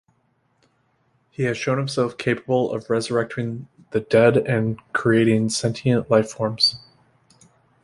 He has shown himself capable of resurrecting the dead and creating sentient lifeforms.